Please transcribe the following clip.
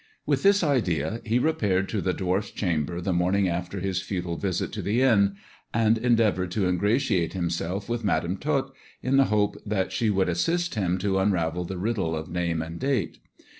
With this idea he repaired to the dwarf's chamber the morning after his futile visit to the inn, and endeavoured to ingratiate himself with Madam Tot, in the hope that she would assist him to unravel the riddle of name and date.